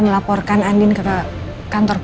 kayak birthday siapa rupanya